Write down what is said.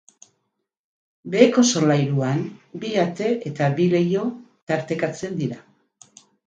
Beheko solairuan, bi ate eta bi leiho tartekatzen dira.